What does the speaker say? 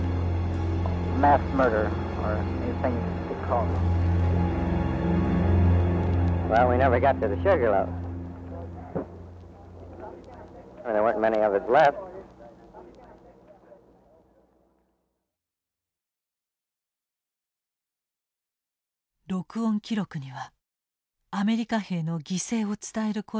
録音記録にはアメリカ兵の犠牲を伝える声が増えていった。